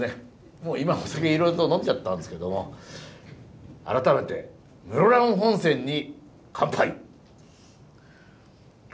もう今お酒いろいろと呑んじゃったんですけども改めて室蘭本線に乾杯！